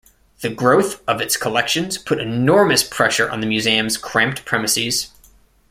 The growth of its collections put enormous pressure on the museum's cramped premises.